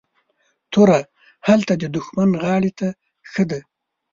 توره هلته ددښمن غاړي ته ښه ده